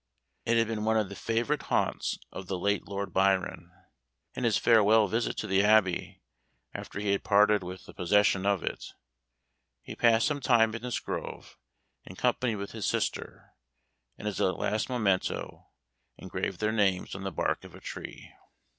It had been one of the favorite haunts of the late Lord Byron. In his farewell visit to the Abbey, after he had parted with the possession of it, he passed some time in this grove, in company with his sister; and as a last memento, engraved their names on the bark of a tree.